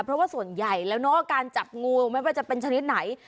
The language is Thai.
เพราะว่าส่วนใหญ่แล้วเนอะการจับงูไม่ว่าจะเป็นชนิดไหน